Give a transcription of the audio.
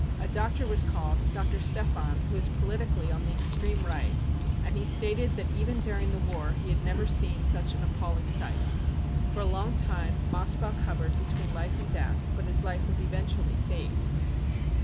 A doctor was called, Dr. Stephan, who is politi cally on the extreme Right, and he stated that even during the war he had never seen such an appalling sight. For a long time Mossbach hovered between life and death, but his life was eventually saved.